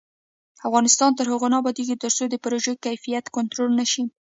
افغانستان تر هغو نه ابادیږي، ترڅو د پروژو کیفیت کنټرول نشي.